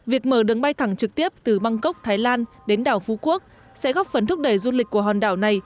việc mở đường bay thẳng trực tiếp từ bangkok thái lan đến đảo phú quốc sẽ góp phần thúc đẩy du lịch của hòn đảo này